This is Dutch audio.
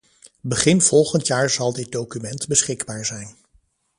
Begin volgend jaar zal dit document beschikbaar zijn.